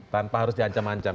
tanpa harus diancam ancam